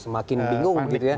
semakin bingung gitu ya